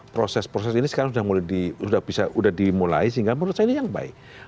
proses proses ini sekarang sudah dimulai sehingga menurut saya ini yang baik